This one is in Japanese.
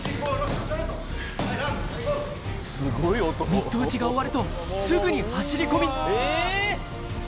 ミット打ちが終わるとすぐに走り込みえ！